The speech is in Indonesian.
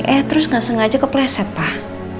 eh terus gak sengaja kepleset pak